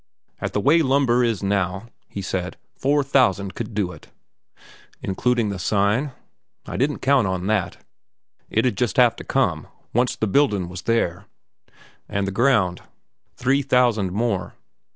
"At the way lumber is now," he said, "four thousand could do it." "Including the sign?" "I didn't count on that. It'd just have to come, onc't the buildin' was there." "And the ground?" "Three thousand more."